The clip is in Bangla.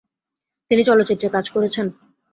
তিনি চলচ্চিত্রে কাজ করেছেন।